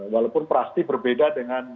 walaupun pasti berbeda dengan